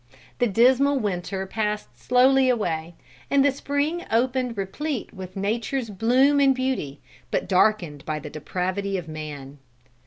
The dismal winter passed slowly away, and the spring opened replete with nature's bloom and beauty, but darkened by the depravity of man.